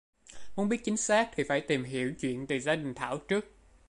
Muốn biết chính xác thì phải tìm hiểu chuyện từ gia đình Thảo trước